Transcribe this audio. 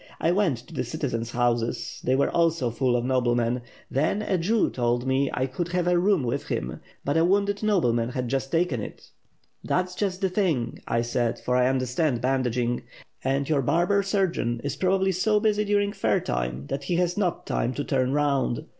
I went to the citizens' houses, they were also full of noblemen. Then a Jew told me I could have had a room with him, but a wounded nobleman 638 ^^^^^^^^^^^ aWORD. had just taken it. 'That's just the thing' I said, for I under stand bandaging, and your barber surgeon is probably so busy during fair time that he has not time to turn round.